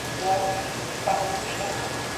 Беларусь ісці па гэтым шляху.